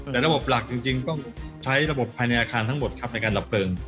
แต่ระบบหลักจริงต้องใช้ระบบภายในอาคารทั้งหมดครับในการดับเพลิง